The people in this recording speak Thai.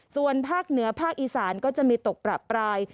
ส่วนภาคเหนือภาคอีสานก็จะมีตกประปราย